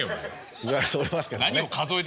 言われておりますけどもね。